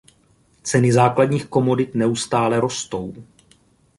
Ceny základních komodit neustále rostou.